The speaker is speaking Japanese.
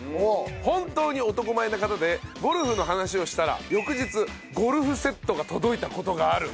本当に男前な方でゴルフの話をしたら翌日ゴルフセットが届いた事がある。